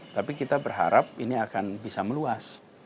tapi kita berharap ini akan bisa meluas